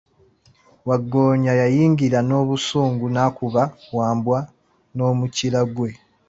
Waggoonya yayingira n'obusungu n'akuba Wambwa n'omukira gwe.